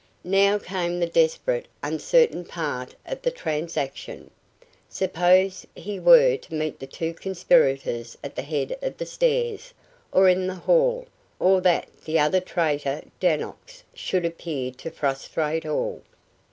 Now came the desperate, uncertain part of the transaction. Suppose he were to meet the two conspirators at the head of the stairs, or in the hall, or that the other traitor, Dannox, should appear to frustrate all.